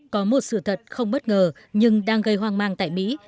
có một sự thật không bất ngờ nhưng đang gây hoang mang tại mỹ